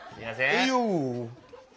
はいよ。